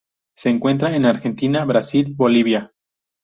Se encuentra en Argentina, Brasil, Bolivia.